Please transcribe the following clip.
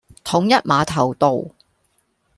統一碼頭道